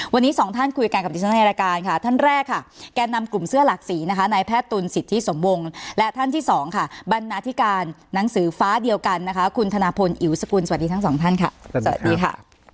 วันนี้สองท่านคุยกันกับดิฉันในรายการค่ะท่านแรกค่ะแก่นำกลุ่มเสื้อหลักสีนะคะนายแพทย์ตุลสิทธิสมวงและท่านที่สองค่ะบรรณาธิการหนังสือฟ้าเดียวกันนะคะคุณธนพลอิ๋วสกุลสวัสดีทั้งสองท่านค่ะสวัสดีค่ะ